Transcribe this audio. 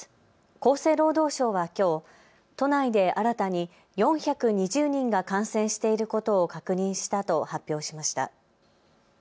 厚生労働省はきょう都内で新たに４２０人が感染していることを確認したと発表しました。